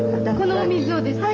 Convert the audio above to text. このお水をですか？